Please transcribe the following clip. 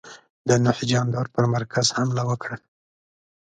د نوح جاندار پر مرکز حمله وکړه.